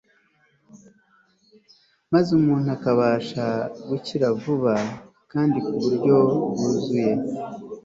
maze umuntu akabasha gukira vuba kandi ku buryo bwuzuye